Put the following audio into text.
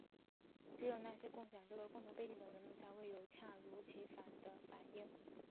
只有那些共享这个共同背景的人们才会有恰如其分的反应。